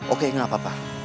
oke gak apa apa